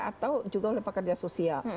atau juga oleh pekerja sosial